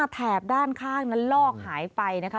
แถบด้านข้างนั้นลอกหายไปนะคะ